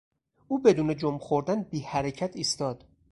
او بدون جنب خوردن بیحرکت ایستاد.